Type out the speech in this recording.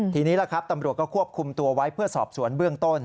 ทีนี้ล่ะครับตำรวจก็ควบคุมตัวไว้เพื่อสอบสวนเบื้องต้น